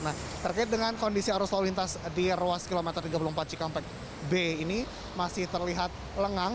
nah terkait dengan kondisi arus lalu lintas di ruas kilometer tiga puluh empat cikampek b ini masih terlihat lengang